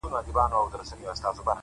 هوښیار انتخاب راتلونکې اندېښنې کموي.!